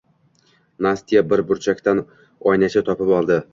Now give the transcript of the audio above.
Nastya bir burchakdan oynacha topib oldi.